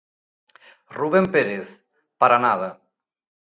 Rubén Pérez: Para nada.